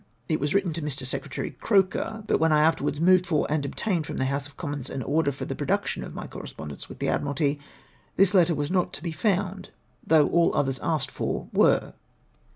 It was written to Mr. Secretary Croker, but when I afterwards moved for and obtained from the House of Commons an order for the pro duction of my correspondence with the Admiralty, this letter teas not to he founds though all others asked for were